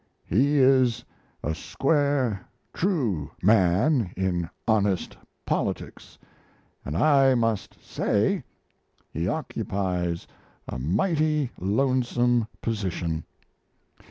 He is a square, true man in honest politics, and I must say he occupies a mighty lonesome position.